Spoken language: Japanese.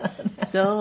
そう。